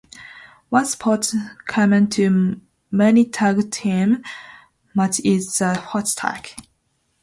One spot common to many tag team match is the "hot tag".